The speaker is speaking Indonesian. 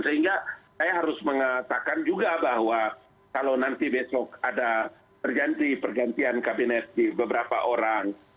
sehingga saya harus mengatakan juga bahwa kalau nanti besok ada perganti pergantian kabinet di beberapa orang